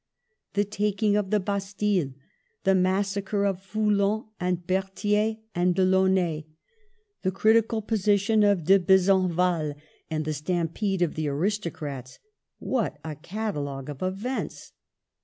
The taking of the Bastille ; the massacre of Foulon and Berthier and DeLaunay ; the critical posi tion of De Besenval, and the stampede of the aristocrats — what a catalogue of events!